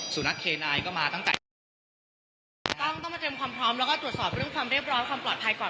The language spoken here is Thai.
สุนัขเคนายก็มาตั้งแต่ก่อนต้องต้องมาเตรียมความพร้อมแล้วก็ตรวจสอบเรื่องความเรียบร้อยความปลอดภัยก่อน